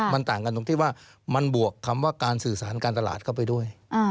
มันต่างกันตรงที่ว่ามันบวกคำว่าการสื่อสารการตลาดเข้าไปด้วย